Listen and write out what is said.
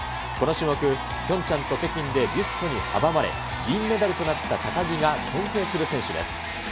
この種目、ピョンチャンと北京でビュストに阻まれ、銀メダルとなった高木が尊敬する選手です。